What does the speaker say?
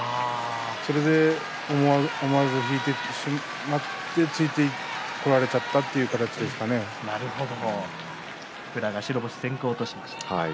それで思わず引いてしまってついてこられてしまった宇良が白星先行としました。